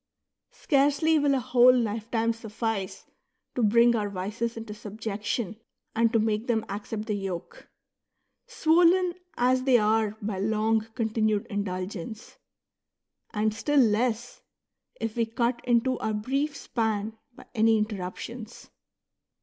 Scarcely will a whole life time suffice to bring our vices into subjec tion and to make them accept the yoke, swollen as they are by long continued indulgence ; and still less, if we cut into our brief span by any interrup tions.